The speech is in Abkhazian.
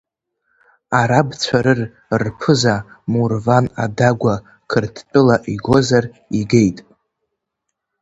Арабцәа рыр рԥыза Мурван Адагәа Қырҭтәыла игозар, игеит…